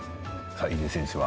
入江選手は？